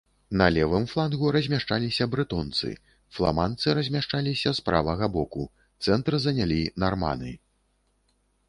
На левым флангу размяшчаліся брэтонцы, фламандцы размяшчаліся з правага боку, цэнтр занялі нарманы.